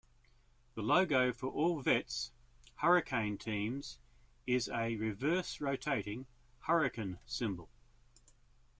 The logo for all Vets "Hurricane" teams is a reverse-rotating hurricane symbol.